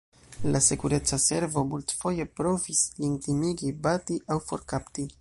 Sekureca Servo multfoje provis lin timigi, bati aŭ forkapti.